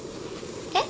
えっ？